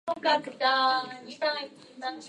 There are "n"!